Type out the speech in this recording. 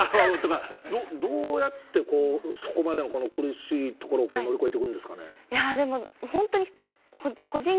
どうやってそこまでの苦しいところを乗り越えていくんですかね。